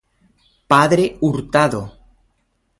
Padre Hurtado.